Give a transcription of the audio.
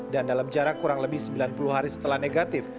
dan dalam jarak kurang lebih sembilan puluh hari setelah negatif